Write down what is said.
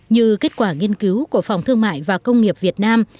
như kết quả nghiên cứu của phòng thương mại và công nghiệp việt nam